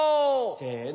せの。